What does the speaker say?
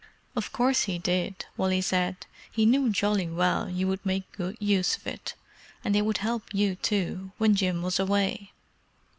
"Of course he did," Wally said. "He knew jolly well you would make good use of it, and it would help you, too, when Jim was away."